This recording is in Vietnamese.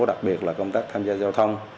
đặc biệt là công tác tham gia giao thông